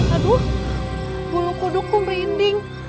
aduh bulu kudukku merinding